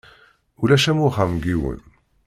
Ulac am uxxam n yiwen.